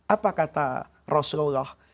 apa kata rasulullah